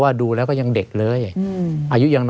ไม่มีครับไม่มีครับ